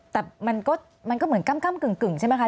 แต่มันก็เหมือนก้ำกึ่งใช่ไหมคะ